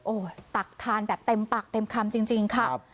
โอ้โหตักทานแบบเต็มปากเต็มคำจริงค่ะ